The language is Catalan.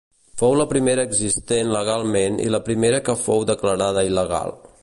Fou la primera existent legalment i la primera que fou declarada il·legal.